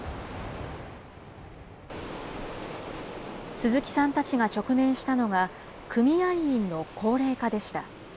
鈴木さんたちが直面したのが組合員の高齢化でした。